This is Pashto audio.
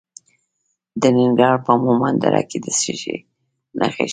د ننګرهار په مومند دره کې د څه شي نښې دي؟